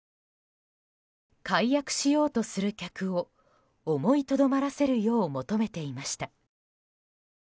解約しようとする客を思いとどまらせるよう求めていました。